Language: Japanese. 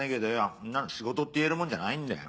そんなの仕事って言えるもんじゃないんだよ。